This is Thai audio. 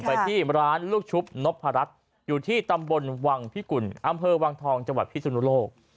ไปที่ร้านลูกชุบนพรัชอยู่ที่ตำบลวังพิกุลอำเภอวังทองจังหวัดพิสุนุโลก